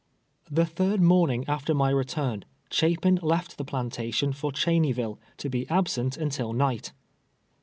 The third morning after my return, Chapin left the jdantation for Cheneyville, to be absent until nig ht.